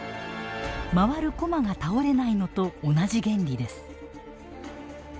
回るこまが倒れないのと同じ原理です。